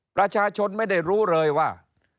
ประชาชนไม่ได้รู้เลยว่า